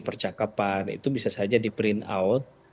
percakapan itu bisa saja di print out